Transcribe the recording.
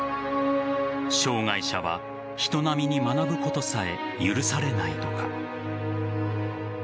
障害者は人並みに学ぶことさえ許されないのか。